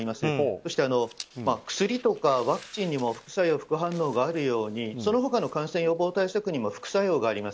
そして、薬とかワクチンにも副作用があるように他の感染対策にも副作用があります。